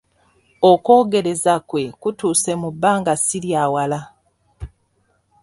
Okwogereza kwe kutuuse mu bbanga si lya wala.